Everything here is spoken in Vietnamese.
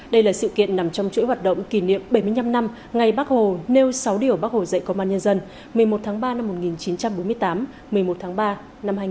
đây là sự kiện nằm trong chuỗi hoạt động kỷ niệm bảy mươi năm năm ngày bác hồ nêu sáu điều bác hồ dạy công an nhân dân một mươi một tháng ba năm một nghìn chín trăm bốn mươi tám một mươi một tháng ba năm hai nghìn một mươi chín